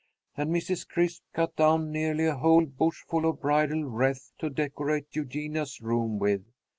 And Mrs. Crisp cut down nearly a whole bushful of bridal wreath to decorate Eugenia's room with.